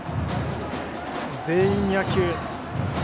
全員野球。